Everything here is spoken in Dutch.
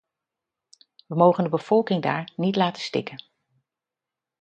We mogen de bevolking daar niet laten stikken.